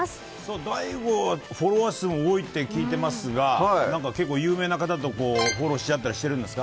ＤＡＩＧＯはフォロワー数も多いって聞いていますが結構、有名な方とフォローし合ってるんですか？